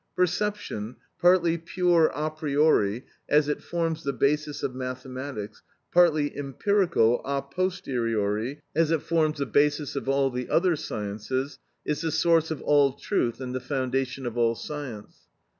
Perception, partly pure a priori, as it forms the basis of mathematics, partly empirical a posteriori, as it forms the basis of all the other sciences, is the source of all truth and the foundation of all science.